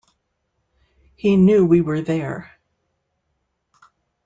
He knew we were there.